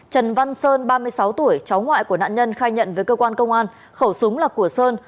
trần văn sơn ba mươi sáu tuổi cháu ngoại của nạn nhân khai nhận với cơ quan công an khẩu súng là của sơn